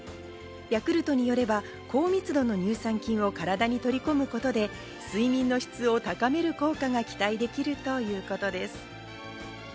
ヤクルトによれば、高密度の乳酸菌を体に取り込むことで、睡眠の質を高める効果が期待できるということです。